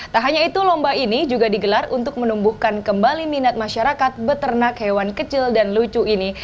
tak hanya itu lomba ini juga digelar untuk menumbuhkan kembali minat masyarakat beternak hewan kecil dan lucu ini